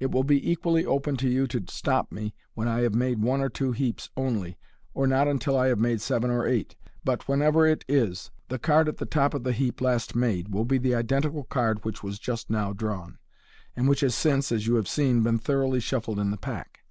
It will be equally open to you to stop me when I have made one or two heaps only, or not until I have made seven or eight, but, whenever it is, the card at the top of the heap last made will be the identical card which was just now drawn, and which has since, as you have seen, been thoroughly shuffled in the pack."